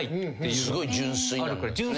すごい純粋。